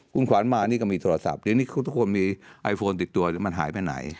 คุณขวัญมานี่ก็มีโทรศัพท์เดี๋ยวนี้ทุกคนมีไอโฟนติดตัวมันหายไปไหน